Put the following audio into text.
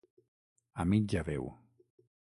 A mitja veu.